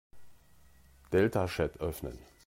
Deltachat öffnen.